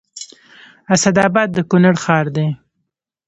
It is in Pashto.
اسداباد د کونړ ښار دی